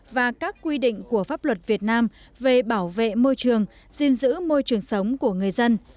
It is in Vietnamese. và các quy định của pháp luật việt nam về bảo vệ môi trường gìn giữ môi trường sống của người dân